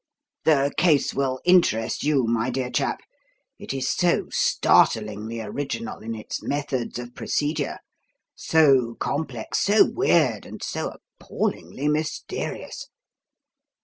"The case will interest you, my dear chap; it is so startlingly original in its methods of procedure, so complex, so weird, and so appallingly mysterious.